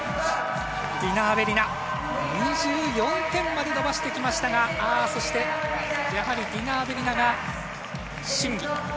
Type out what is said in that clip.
ディナ・アベリナ、２４点まで伸ばしてきましたが、やはりディナ・アベリナが審議。